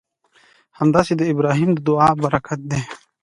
همداسې د ابراهیم د دعا برکت دی.